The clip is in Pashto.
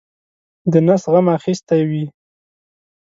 د نس غم اخیستی وي.